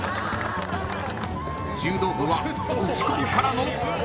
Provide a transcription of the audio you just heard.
［柔道部は打ち込みからの］